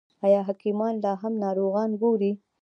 آیا حکیمان لا هم ناروغان ګوري؟